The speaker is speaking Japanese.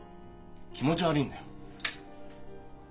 気持ち悪いんだよ。